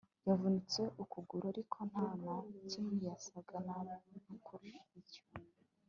yavunitse ukuguru, ariko nta na kimwe yasaga nabi kuri cyo